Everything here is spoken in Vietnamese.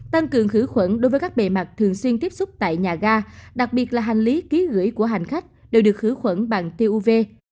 tăng cường khử khuẩn đối với các bề mặt thường xuyên tiếp xúc tại nhà ga đặc biệt là hành lý ký gửi của hành khách đều được khử khuẩn bằng tiêu uv